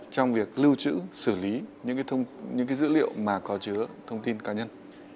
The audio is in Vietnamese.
trong việc lưu trữ xử lý những dữ liệu mà có chứa thông tin cá nhân